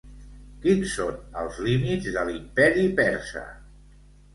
Quins són els límits de l'imperi persa?